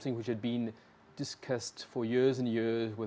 yang tidak pernah dilakukan di beberapa negara